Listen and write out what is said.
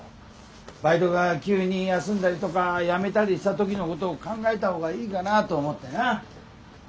バイトが急に休んだりとか辞めたりした時のことを考えたほうがいいかなと思ってな。